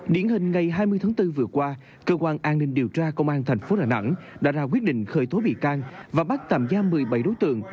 điển hình ngày hai mươi tháng bốn vừa qua cơ quan an ninh điều tra công an tp đà nẵng đã ra quyết định khởi tố bị can và bắt tạm giam một mươi bảy đối tượng